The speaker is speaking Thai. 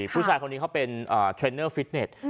ผู้ใจเค้าเป็นเวลาเทรนเนอร์ฟิตเนส